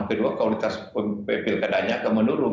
kedua kualitas pilkadanya akan menurun